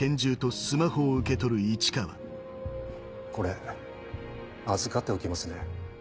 これ預かっておきますね。